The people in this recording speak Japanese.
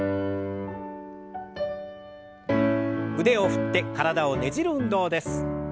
腕を振って体をねじる運動です。